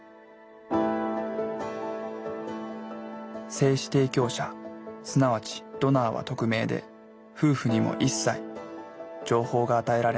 精子提供者すなわちドナーは匿名で夫婦にも一切情報が与えられなかった。